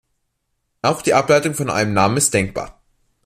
Auch die Ableitung von einem Namen ist denkbar.